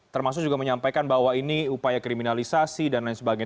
termasuk juga menyampaikan bahwa ini upaya kriminalisasi dan lain sebagainya